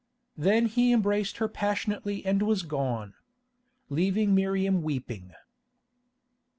Then he embraced her passionately and was gone, leaving Miriam weeping.